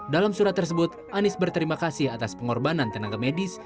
dalam surat tersebut anies berterima kasih atas pengorbanan tenaga medis